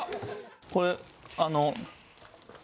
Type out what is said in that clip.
これあの。